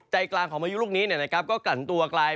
ใจกลางของพายุลูกนี้ก็กลั่นตัวกลาย